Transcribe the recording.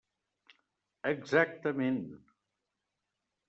Exactament!